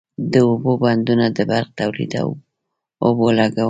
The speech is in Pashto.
د اوبو بندونه د برق تولید، اوبو لګونی،